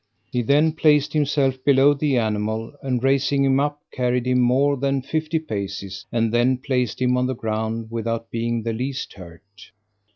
He then placed himself below the animal and raising him up, carried him more than fifty paces, and then placed him on the ground without being the least hurt.